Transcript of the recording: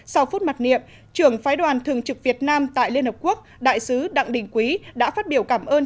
sau phút mặc niệm trưởng phái đoàn thường trực việt nam tại liên hợp quốc đại sứ đặng đình quý đã phát biểu cảm ơn